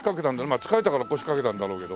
まあ疲れたから腰掛けたんだろうけど。